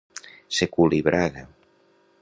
Ser cul i braga.